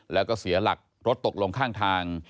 แล้วก็เสียหลักรถตกลงข้างทาง